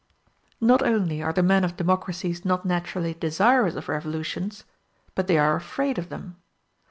Not only are the men of democracies not naturally desirous of revolutions, but they are afraid of them.